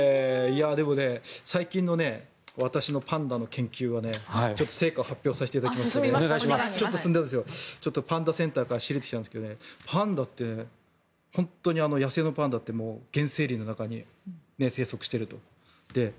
でも、最近の私のパンダの研究は成果を発表させていただきますがパンダセンターから仕入れてきたんですが本当に野生のパンダって原生林の中に生息していると。